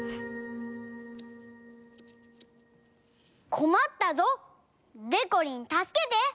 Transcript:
こまったぞ！でこりんたすけて！